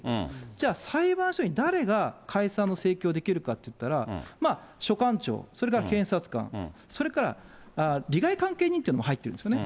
じゃあ裁判所に誰が解散の請求をできるかといったら、まあ、諸官庁、それから検察官、それから利害関係認定というのも入ってるんですよね。